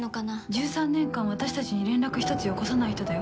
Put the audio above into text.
１３年間私たちに連絡をよこさない人だよ。